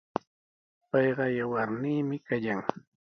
Payqa yawarniimi kallan.